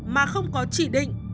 mà không có chỉ định